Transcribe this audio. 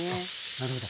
なるほど。